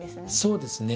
そうですね。